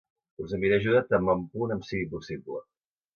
Us enviaré ajuda tan bon punt em sigui possible.